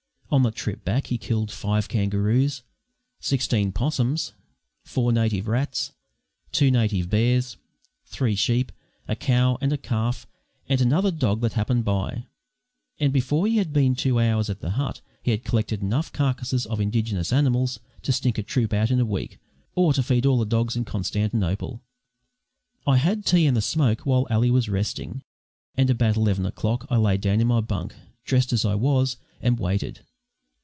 On the trip back he killed five kangaroos, sixteen 'possums, four native rats, two native bears, three sheep, a cow and a calf, and another dog that happened by; and before he had been two hours at the hut he had collected enough carcases of indigenous animals to stink a troop out in a week, or to feed all the dogs in Constantinople. I had tea and a smoke while Ally was resting, and about eleven o'clock I lay down in my bunk, dressed as I was, and waited.